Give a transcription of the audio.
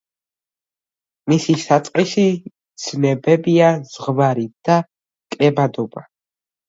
მისი საწყისი ცნებებია ზღვარი და კრებადობა.